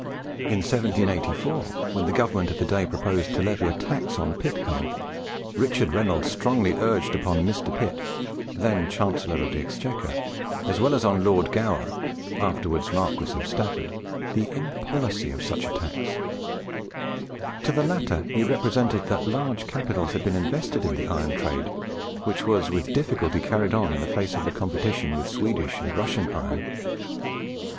In 1784, when the government of the day proposed to levy a tax on pit coal, Richard Reynolds strongly urged upon Mr. Pitt, then Chancellor of the Exchequer, as well as on Lord Gower, afterwards Marquis of Stafford, the impolicy of such a tax. To the latter he represented that large capitals had been invested in the iron trade, which was with difficulty carried on in the face of the competition with Swedish and Russian iron.